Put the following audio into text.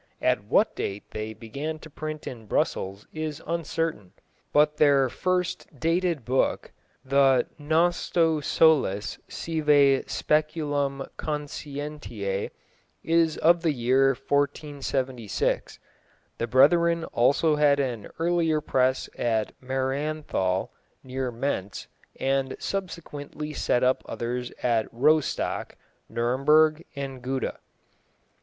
At what date they began to print in Brussels is uncertain, but their first dated book, the Gnotosolitos sive speculum conscientiae, is of the year 1476. The Brethren also had an earlier press at Marienthal, near Mentz, and subsequently set up others at Rostock, Nuremberg, and Gouda.